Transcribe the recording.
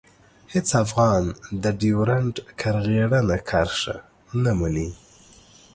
هېڅ افغان د ډیورنډ کرغېړنه کرښه نه مني.